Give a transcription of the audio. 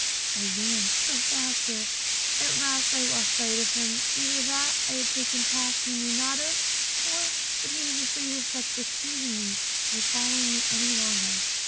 I ran still faster. At last I lost sight of him, either that I had taken paths he knew not of, or that he was afraid of displeasing me by following me any longer.